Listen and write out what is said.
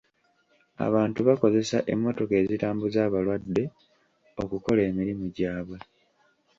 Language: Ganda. Abantu bakozesa emmotoka ezitambuza abalwadde okukola emirimu gyabwe.